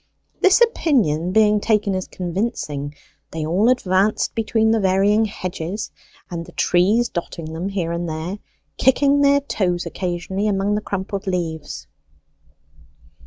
This opinion being taken as convincing they all advanced between the varying hedges and the trees dotting them here and there, kicking their toes occasionally among the crumpled leaves.